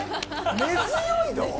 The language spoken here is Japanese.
根強いど。